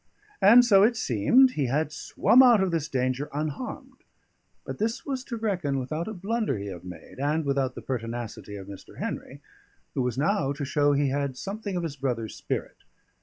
And so it seemed he had swum out of this danger unharmed; but this was to reckon without a blunder he had made, and without the pertinacity of Mr. Henry, who was now to show he had something of his brother's spirit.